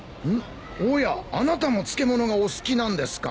おやあなたも漬物がお好きなんですか？